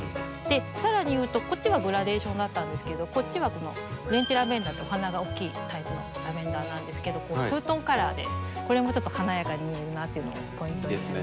さらに言うとこっちはグラデーションだったんですけどこっちはこのフレンチラベンダーってお花が大きいタイプのラベンダーなんですけどツートンカラーでこれもちょっと華やかに見えるなっていうのもポイントになります。